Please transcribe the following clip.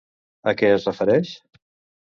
A què es refereix?